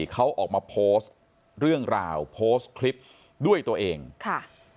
เขาออกมาโพสต์เรื่องราวโพสต์คลิปด้วยตัวเองค่ะ